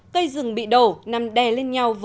cây rừng bị đổ nằm đè lên nhau